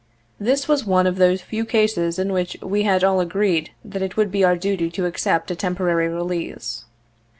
This was one of those few cases in which we had all agreed that it would be our duty to accept a temporary release.